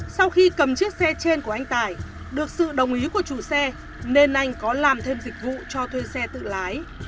sau khi cầm chiếc xe trên của anh tài được sự đồng ý của chủ xe nên anh có làm thêm dịch vụ cho thuê xe tự lái